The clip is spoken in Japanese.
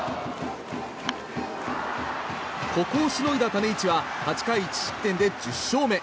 ここをしのいだ種市は８回１失点で１０勝目。